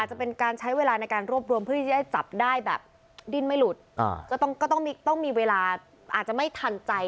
จะเป็นการใช้เวลาในการรวบรวมเพื่อที่จะจับได้แบบดิ้นไม่หลุดก็ต้องมีเวลาอาจจะไม่ทันใจ